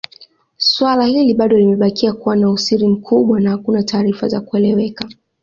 Swala hili bado limebakia kuwa na usiri mkubwa na hakuna taarifa za kueleweka